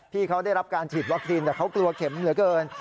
ที่เขาได้รับการฉีดวัคซีนแต่เขากลัวเข็มเหลือเกิน